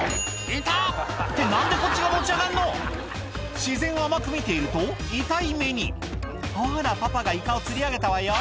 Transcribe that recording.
「痛っ！」って何でこっちが持ち上がんの⁉自然を甘く見ていると痛い目に「ほらパパがイカを釣り上げたわよ」